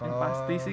yang pasti sih